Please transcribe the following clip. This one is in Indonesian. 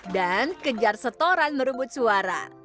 dan kejar setoran merebut suara